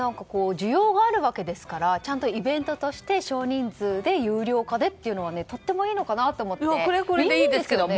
需要があるわけですからちゃんとイベントとして少人数で有料化でというのはとてもいいのかなと思いますよね。